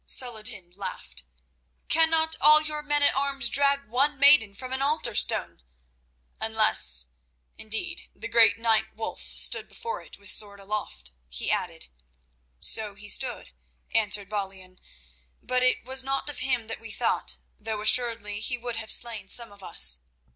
Saladin laughed. "Cannot all your men at arms drag one maiden from an altar stone?—unless, indeed, the great knight Wulf stood before it with sword aloft," he added. "So he stood," answered Balian, "but it was not of him that we thought, though assuredly he would have slain some of us.